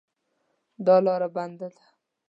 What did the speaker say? دا لار بنده ده